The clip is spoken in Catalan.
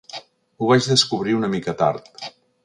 Ho vaig descobrir una mica tard.